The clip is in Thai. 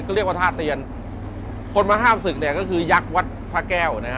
เรียกว่าท่าเตียนคนมาห้ามศึกเนี่ยก็คือยักษ์วัดพระแก้วนะฮะ